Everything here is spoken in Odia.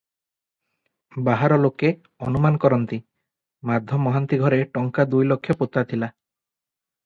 ବାହାର ଲୋକେ ଅନୁମାନ କରନ୍ତି, ମାଧ ମହାନ୍ତି ଘରେ ଟଙ୍କା ଦୁଇ ଲକ୍ଷ ପୋତା ଥିଲା ।